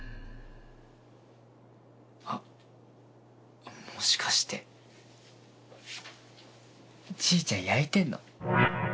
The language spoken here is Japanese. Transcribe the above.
あっもしかしてちーちゃんやいてんの？